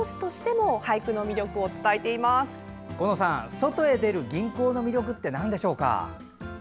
外へ出る吟行の魅力ってなんでしょうか？